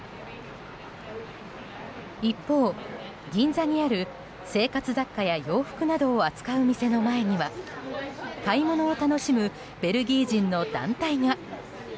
一方、銀座にある生活雑貨や洋服などを扱う店の前には買い物を楽しむベルギー人の団体が。